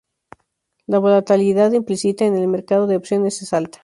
La volatilidad implícita en el mercado de opciones es alta.